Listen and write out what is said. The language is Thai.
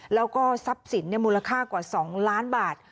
แล้วก็ทรัพย์สินมูลค่ากว่า๒ล้านบาท